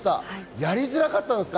やりづらかったですか？